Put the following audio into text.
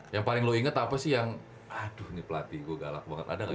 yang paling lo inget apa sih yang aduh ini pelatih gua galak banget ada gak gitu